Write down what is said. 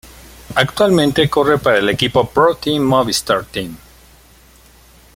Actualmente corre para el equipo ProTeam Movistar Team.